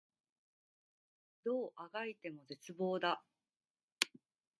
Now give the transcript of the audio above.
どう足掻いても絶望だ